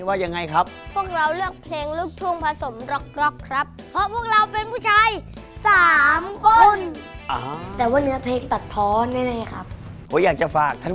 มองที่ใจหรือว่ามองที่หน้าตา